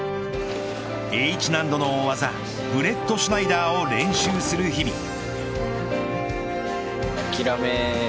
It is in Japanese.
Ｈ難度の大技ブレットシュナイダーを練習する日々。